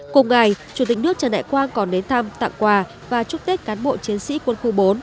cùng ngày chủ tịch nước trần đại quang còn đến thăm tặng quà và chúc tết cán bộ chiến sĩ quân khu bốn